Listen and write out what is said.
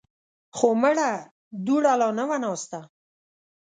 خو مړه دوړه لا نه وه ناسته.